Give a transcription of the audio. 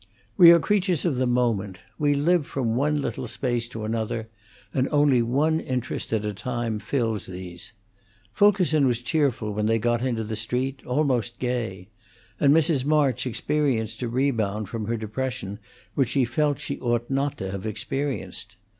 We are creatures of the moment; we live from one little space to another; and only one interest at a time fills these. Fulkerson was cheerful when they got into the street, almost gay; and Mrs. March experienced a rebound from her depression which she felt that she ought not to have experienced.